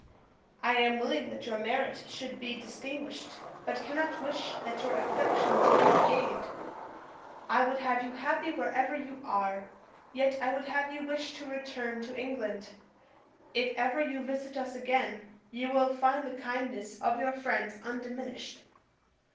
I am willing that your merit should be distinguished; but cannot wish that your affections may be gained. I would have you happy wherever you are: yet I would have you wish to return to England. If ever you visit us again, you will find the kindness of your friends undiminished.